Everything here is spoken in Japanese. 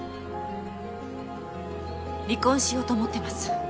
離婚しようと思ってます